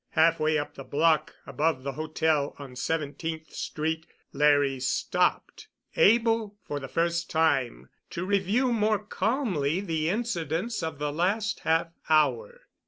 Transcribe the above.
Halfway up the block above the hotel on Seventeenth Street Larry stopped, able for the first time to review more calmly the incidents of the last half hour.